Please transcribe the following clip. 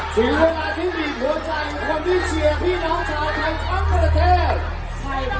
ถึงเวลาที่บีบหัวใจคนที่เชียร์พี่น้องชาวไทยทั้งประเทศ